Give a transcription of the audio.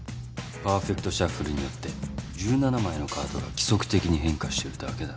パーフェクトシャッフルによって１７枚のカードが規則的に変化しているだけだ。